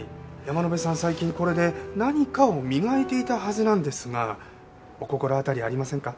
最近これで何かを磨いていたはずなんですがお心当たりありませんか？